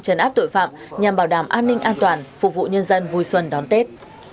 chấn áp tội phạm nhằm bảo đảm an ninh an toàn phục vụ nhân dân vui xuân đón tết